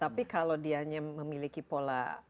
tapi kalau dianya memiliki pola